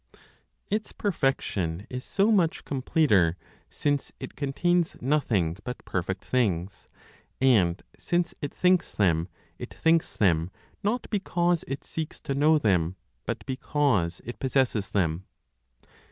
Its perfection is so much completer, since it contains nothing but perfect things, and since it thinks them; it thinks them, not because it seeks to know them, but because it possesses them.